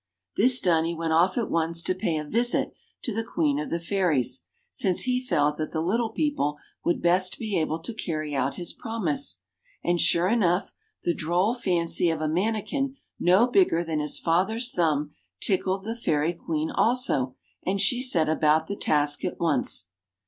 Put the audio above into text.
This done he went off at once to pay a visit to the Queen of the Fairies, since he felt that the little people would best be able to carry out his promise. And, sure enough, the droll fancy of a mannikin no bigger than his father's thumb tickled the Fairy Queen also, and she set about the task at once.